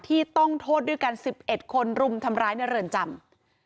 ที่ต้องโทษด้วยกัน๑๑คนรุมทำร้ายในเรือนจำ